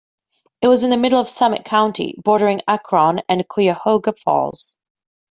It was in the middle of Summit County, bordering Akron and Cuyahoga Falls.